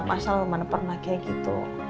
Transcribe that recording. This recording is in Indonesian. mas al mana pernah kayak gitu